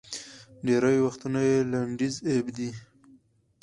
ډېری وختونه یې لنډیز اېب دی